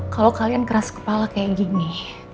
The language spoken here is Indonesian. kalau kalian keras kepala kayak gini